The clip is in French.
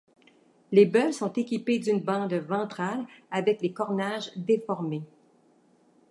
Les bœufs sont équipés d’une bande ventrale avec les cornages déformés.